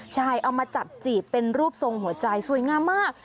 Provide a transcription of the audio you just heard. ใช่เอามาจับจีบเป็นรูปทรงหัวใจสวยงามมาก